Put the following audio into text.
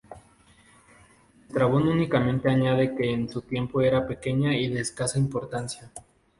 Estrabón únicamente añade que en su tiempo era pequeña y de escasa importancia.